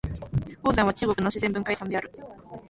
黄山は中国の自然文化遺産である。